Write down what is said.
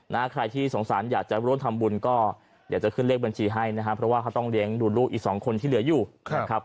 นะขณะที่สงสารอยากจะรถทำบุญก็อยากจะขึ้นเลขบัญชีให้นะครับเพราะว่าเราต้องเลี้ยงดูลลูกอีก๒คนที่เหลือยู่ครับ